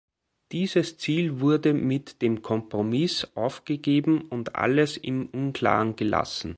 Dieses Ziel wurde mit dem Kompromiss aufgegeben und alles im Unklaren gelassen.